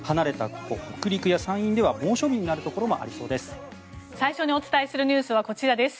ここ北陸や山陰では猛暑日になるところもありそうです。